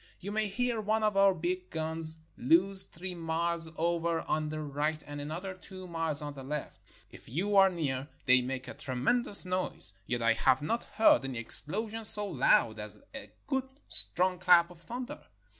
You may hear one of our big guns loosed three miles over on the right and another two miles on the left. If you are near they make a tremendous noise, yet I have not heard any explosion so loud as a good strong clap of thunder.